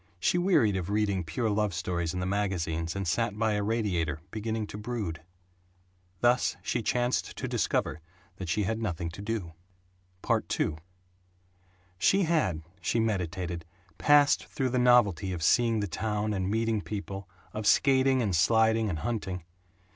She wearied of reading pure love stories in the magazines and sat by a radiator, beginning to brood. Thus she chanced to discover that she had nothing to do. II She had, she meditated, passed through the novelty of seeing the town and meeting people, of skating and sliding and hunting.